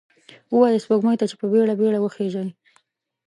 ووایه سپوږمۍ ته، چې په بیړه، بیړه وخیژئ